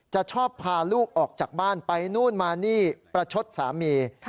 ชอบพาลูกออกจากบ้านไปนู่นมานี่ประชดสามี